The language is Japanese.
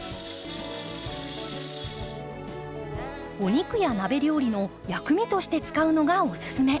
お肉や鍋料理の薬味として使うのがおすすめ。